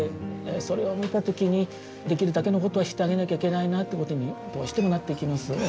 それを見た時にできるだけのことをしてあげなきゃいけないなということにどうしてもなってきますよね。